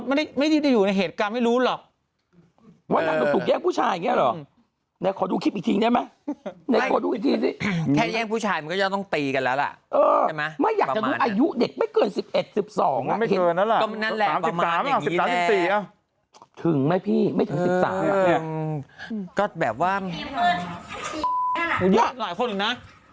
เริ่มเจนดีเริ่มเริ่มเจนนะเริ่มเจนนะเออน้ำเป็นวันได้ป่ะ